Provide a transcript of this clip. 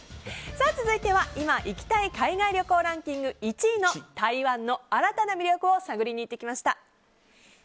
続いては今行きたい海外旅行ランキング１位の台湾の新たな魅力を探りに行ってきました。